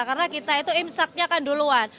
karena kita itu imsaknya kan duluan